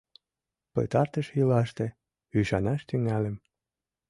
— Пытартыш ийлаште ӱшанаш тӱҥальым.